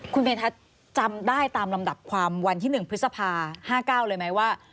คุณเมธัศนจำได้ตามลำดับความวันที่๑พฤษภา๕๙เลยไหมว่า